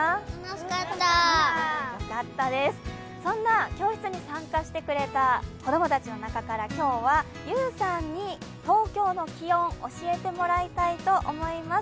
そんな教室に参加してくれた子供たちの中から今日は、ゆうさんに東京の気温、教えてもらいたいと思います。